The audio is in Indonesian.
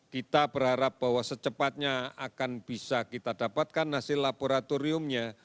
kita berharap bahwa secepatnya akan bisa kita dapatkan hasil laboratoriumnya